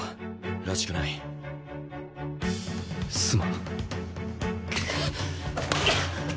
すまん。